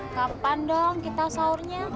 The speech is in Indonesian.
kapan dong kita sahurnya